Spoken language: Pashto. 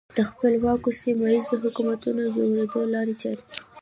د خپلواکو سیمه ییزو حکومتونو د جوړېدو لارې چارې.